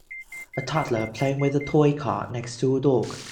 a toddler playing with a toy car next to a dog.